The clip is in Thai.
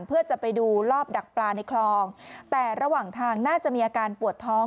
เพื่อจะไปดูรอบดักปลาในคลองแต่ระหว่างทางน่าจะมีอาการปวดท้อง